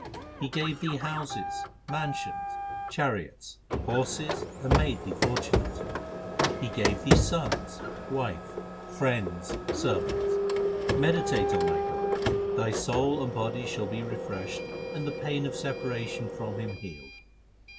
He gave thee houses, mansions, chariots, horses, and made thee fortunate ; He gave thee sons, wife, friends, servants. Meditate on that God ; thy soul and body shall be re freshed, and the pain of separation from Him healed.